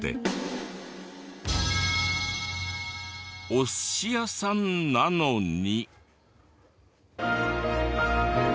お寿司屋さんなのに。